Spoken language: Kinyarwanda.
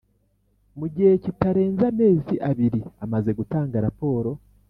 Mu gihe kitarenze amezi abiri amaze gutanga raporo